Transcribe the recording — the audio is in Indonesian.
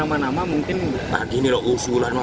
entah ketulah itu masih lama